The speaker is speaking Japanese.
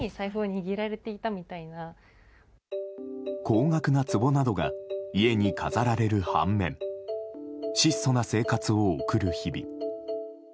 高額なつぼなどが家に飾られる反面質素な生活を送る日々。